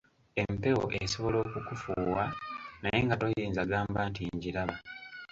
Empewo esobola okukufuuwa naye nga toyinza gamba nti ngiraba.